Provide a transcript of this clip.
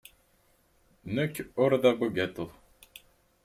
Nekk ur d abugaṭu.